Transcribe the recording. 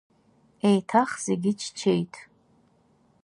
Еиҭах зегьы ччеит.